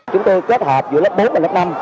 chúng tôi kết hợp giữa lớp bốn và lớp năm